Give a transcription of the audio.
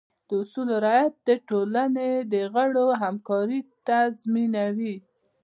د اصولو رعایت د ټولنې د غړو همکارۍ تضمینوي.